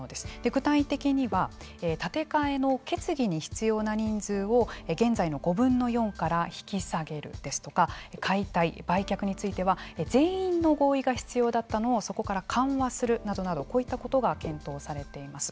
具体的には建て替えの決議に必要な人数を現在の５分の４から引き下げるですとか解体、売却については全員の合意が必要だったのをそこから緩和するなどなどこういったことが検討されています。